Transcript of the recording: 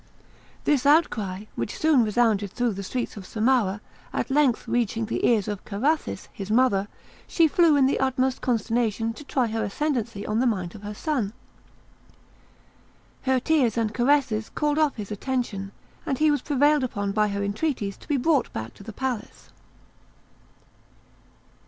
This outcry, which soon resounded through the streets of Samarah, at length reaching the ears of Carathis, his mother, she flew in the utmost consternation to try her ascendency on the mind of her son. Her tears and caresses called off his attention, and he was prevailed upon by her entreaties to be brought back to the palace.